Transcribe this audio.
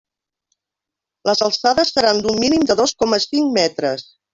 Les alçades seran d'un mínim de dos coma cinc metres.